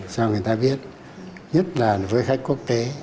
cho người ta biết nhất là với khách quốc tế